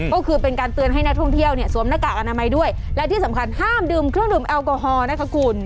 ก็คือเป็นการเตือนให้นักท่องเที่ยวเนี่ยสวมหน้ากากอนามัยด้วยและที่สำคัญห้ามดื่มเครื่องดื่มแอลกอฮอล์นะคะคุณ